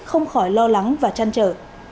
không khỏi lo lắng và trăn trở